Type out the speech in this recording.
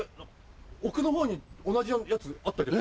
奥の方に同じやつあったけど。